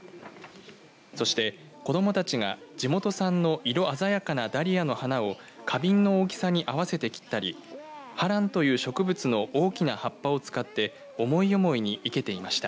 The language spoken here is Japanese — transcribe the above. そして、子どもたちが地元産の色鮮やかなダリアの花を花瓶の大きさに合わせて切ったりハランという植物の大きな葉っぱを使って思い思いに生けていました。